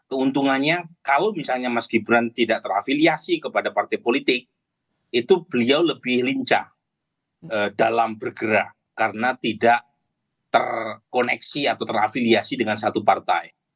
keuntungannya kalau misalnya mas gibran tidak terafiliasi kepada partai politik itu beliau lebih lincah dalam bergerak karena tidak terkoneksi atau terafiliasi dengan satu partai